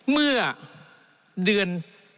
เมื่อเดือน